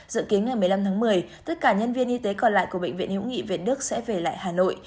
dự kiến ngày một mươi năm tháng một mươi tất cả nhân viên y tế còn lại của bệnh viện hiếu nghị việt đức sẽ về lại hà nội